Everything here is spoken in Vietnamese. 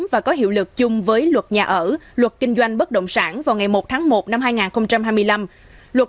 và có hiệu lực chung với luật nhà ở luật kinh doanh bất động sản vào ngày một tháng một năm hai nghìn hai mươi năm luật